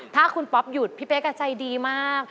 ถ้าคุณป๊อปหยุดพี่เป๊กใจดีมาก